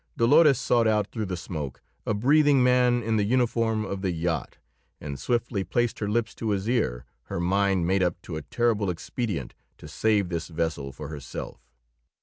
Dolores sought out through the smoke a breathing man in the uniform of the yacht, and swiftly placed her lips to his ear, her mind made up to a terrible expedient to save this vessel for herself.